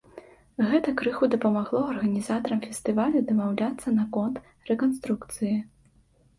Гэта крыху дапамагло арганізатарам фестывалю дамаўляцца наконт рэканструкцыі.